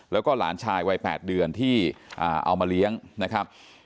แล้วก็หลานชายวัย๘เดือนที่เอามาเลี้ยงนะครับ